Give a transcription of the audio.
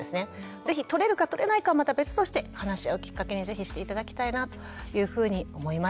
是非取れるか取れないかはまた別として話し合うきっかけに是非して頂きたいなというふうに思います。